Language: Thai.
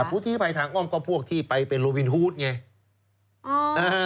แต่ผู้ลีภัยทางอ้อมก็พวกที่ไปเป็นลูวินฮูธไง